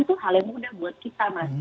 itu hal yang mudah buat kita mas